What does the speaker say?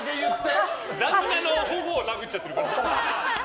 旦那の頬を殴っちゃってるから。